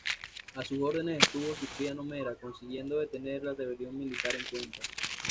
A sus órdenes estuvo Cipriano Mera, consiguiendo detener la rebelión militar en Cuenca.